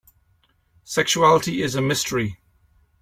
Sexuality is a mystery.